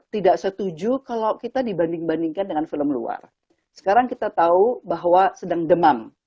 tidak setuju kalau kita dibanding bandingkan dengan film luar sekarang kita tahu bahwa sedang demam